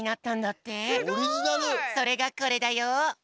それがこれだよ。